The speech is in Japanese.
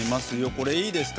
これいいですか？